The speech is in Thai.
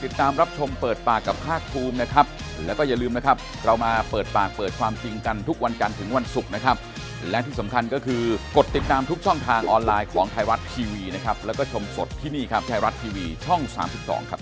เอาสิบเก้าครั้งอ่ะกลัวหกร้อยเปอร์เซ็นต์